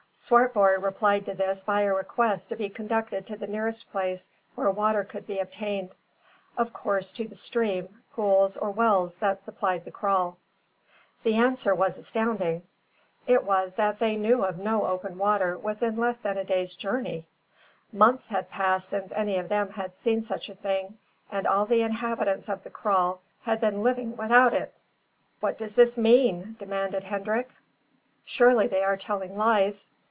Swartboy replied to this by a request to be conducted to the nearest place where water could be obtained, of course to the stream, pools, or wells that supplied the kraal. The answer was astounding. It was that they knew of no open water within less than a day's journey! Months had passed since any of them had seen such a thing, and all the inhabitants of the kraal had been living without it! "What does this mean?" demanded Hendrik. "Surely they are telling lies.